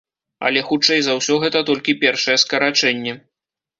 Але хутчэй за ўсе гэта толькі першае скарачэнне.